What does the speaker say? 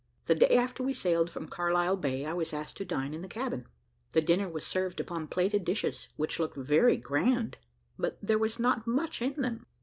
The day after we sailed from Carlisle Bay I was asked to dine in the cabin. The dinner was served upon plated dishes, which looked very grand, but there was not much in them.